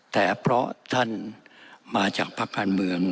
แต่เพราะท่านมาจากภักดิ์การเมือง